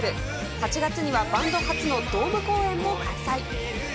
８月にはバンド初のドーム公演も開催。